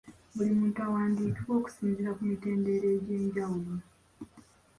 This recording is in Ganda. Buli muntu awandiikibwe okusinziira ku mitendera egyenjawulo.